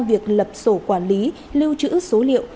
việc lập sổ quản lý lưu trữ số liệu